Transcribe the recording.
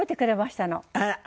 あら！